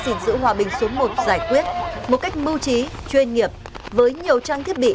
gìn giữ hòa bình số một giải quyết một cách mưu trí chuyên nghiệp với nhiều trang thiết bị